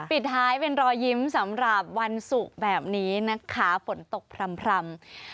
ปิดท้ายเป็นรอยยิ้มสำหรับวันศุกร์แบบนี้นะคะฝนตกพร่ำ